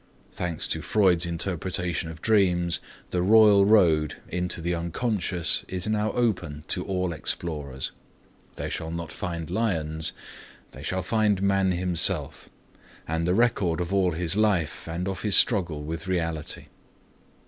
Thanks to Freud's interpretation of dreams the "royal road" into the unconscious is now open to all explorers. They shall not find lions, they shall find man himself, and the record of all his life and of his struggle with reality.